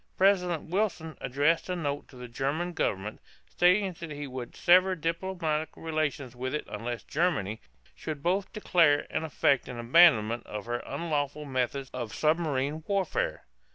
President Wilson addressed a note to the German government, stating that he would sever diplomatic relations with it unless Germany should both declare and effect an abandonment of her unlawful methods of submarine warfare.